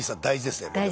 大事ですね？